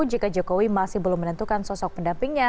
jika jokowi masih belum menentukan sosok pendampingnya